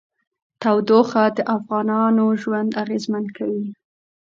تودوخه د افغانانو ژوند اغېزمن کوي.